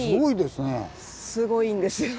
すごいんですよ。